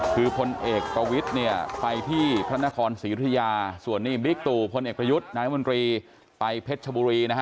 คือพลเอกประวิทย์เนี่ยไปที่พระนครศรียุธยาส่วนนี้บิ๊กตู่พลเอกประยุทธ์นายมนตรีไปเพชรชบุรีนะฮะ